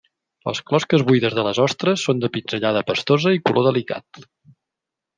Les closques buides de les ostres són de pinzellada pastosa i color delicat.